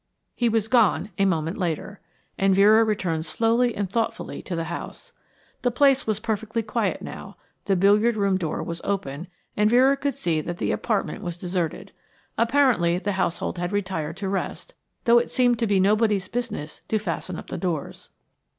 He was gone a moment later, and Vera returned slowly and thoughtfully to the house. The place was perfectly quiet now; the billiard room door was open, and Vera could see that the apartment was deserted. Apparently the household had retired to rest, though it seemed to be nobody's business to fasten up the doors.